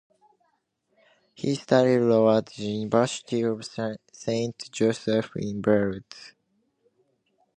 He studied law at the University of Saint Joseph in Beirut.